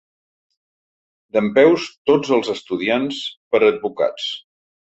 Dempeus tots els estudiants per a advocats.